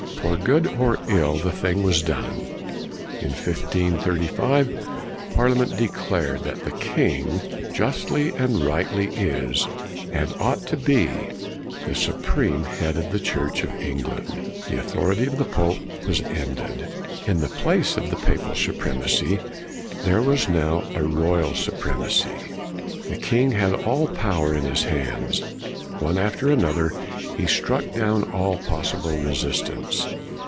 For good or ill, the thing was done. In 1535, Parliament declared that the king " justly and rightfully is, and ought to be, the Supreme Head of the Church of England." The authority of the pope was ended. In the place of the Papal Supremacy there was now a Royal Su premacy. The king had all power in his hands. One after another, he struck down all possible resistance.